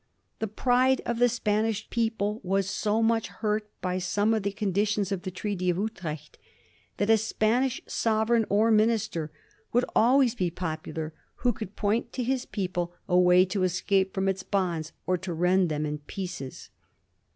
The pride of the Spanish people was so much hurt by some of the conditions of the Treaty of Utrecht that a Spanish sovereign or minister would always be popular who could point to his people a way to escape from its bonds or to rend them in pieces.